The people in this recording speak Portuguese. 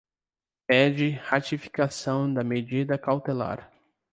Pede ratificação da medida cautelar